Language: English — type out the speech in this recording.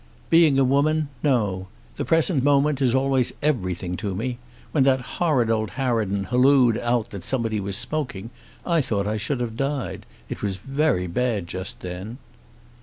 "Being a woman, no. The present moment is always everything to me. When that horrid old harridan halloaed out that somebody was smoking, I thought I should have died. It was very bad just then."